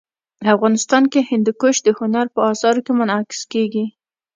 افغانستان کي هندوکش د هنر په اثارو کي منعکس کېږي.